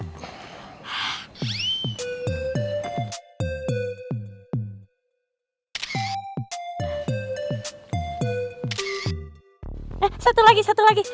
nah satu lagi satu lagi